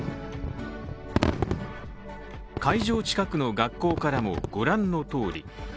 会場近くの学校からも御覧のとおり。